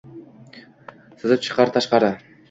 sizib chiqar tashqari